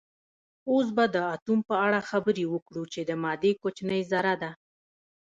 اوس به د اتوم په اړه خبرې وکړو چې د مادې کوچنۍ ذره ده